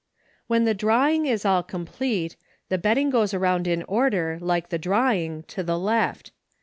\Then the drawing is all complete, the bet ting goes around in order, like the drawing, to the left.